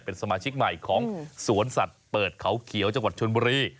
เป็นสมาชิกใหม่ของสวนสัตว์เปิดเขาเขียวจังหวัดชนบุรี